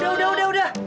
udah udah udah